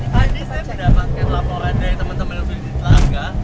pakai laporan dari teman teman yang sudah di telaga